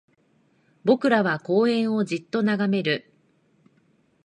僕らは公園をじっと眺める